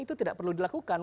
itu tidak perlu dilakukan